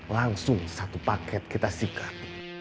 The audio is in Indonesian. langsung satu paket kita sikap